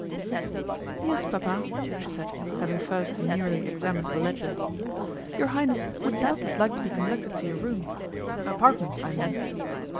'Yes, Papa,' she said, having first demurely examined a ledger. 'Your Highness would doubtless like to be conducted to your room apartments I mean.